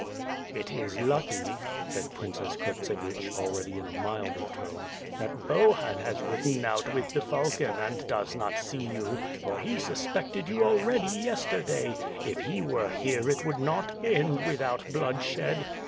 "It is lucky," said Princess Kurtsevich, already in a milder tone, "that Bohun has ridden out with the falcon and does not see you, for he suspected you already yesterday. If he were here it would not end without bloodshed."